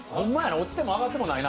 落ちても上がってもないな。